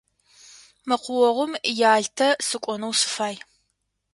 Мэкъуогъум Ялтэ сыкӏонэу сыфай.